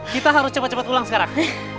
kita harus cepat cepat ulang sekarang